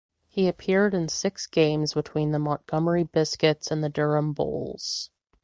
He appeared in six games between the Montgomery Biscuits and the Durham Bulls.